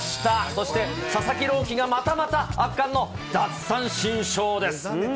そして、佐々木朗希がまたまた圧巻の奪三振ショーです。